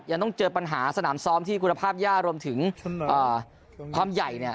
ยังต้องเจอปัญหาสนามซ้อมที่คุณภาพยากรวมถึงความใหญ่เนี่ย